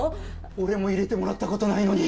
俺も入れてもらったことないのに。